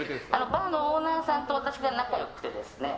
バーのオーナーさんと私が仲良くてですね